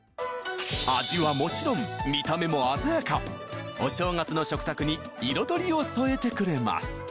味はもちろん見た目も鮮やかお正月の食卓に彩りを添えてくれます